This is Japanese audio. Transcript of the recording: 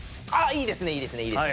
いいですねいいですね。